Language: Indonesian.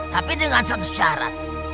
tapi dengan satu syarat